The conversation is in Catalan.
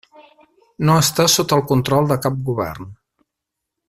No està sota el control de cap govern.